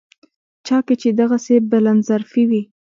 چا کې چې دغسې بلندظرفي وي.